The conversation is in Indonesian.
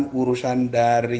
dan diperlukan oleh negara lain